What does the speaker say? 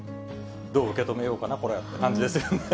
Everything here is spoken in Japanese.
どう受け止めようかなって感じですよね。